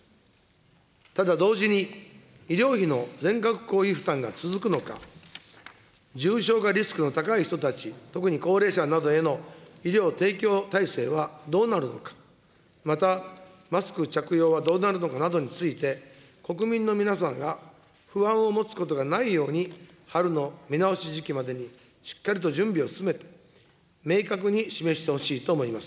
ただ、同時に医療費の全額公費負担が続くのか、重症化リスクの高い人たち、特に高齢者などへの医療提供体制はどうなるのか、また、マスク着用はどうなるのかなどについて、国民の皆さんが不安を持つことがないように、春の見直し時期までにしっかりと準備を進めて、明確に示してほしいと思います。